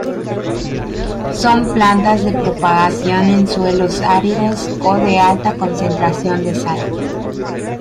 Son plantas de propagación en suelos áridos o de alta concentración de sal.